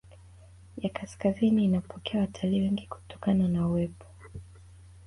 ya kaskazini inapokea watalii wengi kutokana na uwepo